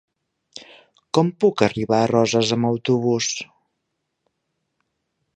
Com puc arribar a Roses amb autobús?